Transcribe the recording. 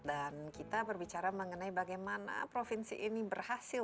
dan kita berbicara mengenai bagaimana provinsi ini berhasil